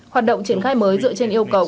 hoạt động triển khai mới dựa trên yêu cầu